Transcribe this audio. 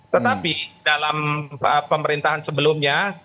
tetapi dalam pemerintahan sebelumnya